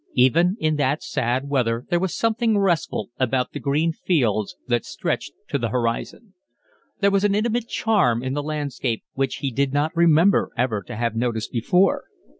Even in that sad weather there was something restful about the green fields that stretched to the horizon. There was an intimate charm in the landscape which he did not remember ever to have noticed before.